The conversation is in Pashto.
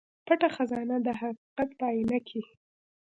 پټه خزانه د حقيقت په اينه کې